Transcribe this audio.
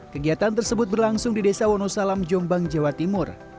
kegiatan tersebut berlangsung di desa wonosalam jombang jawa timur